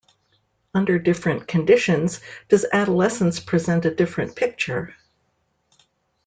Under different conditions does adolescence present a different picture?